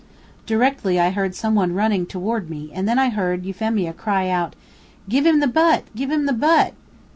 Directly I heard some one running toward me, and then I heard Euphemia cry out: "Give him the butt! Give him the butt!"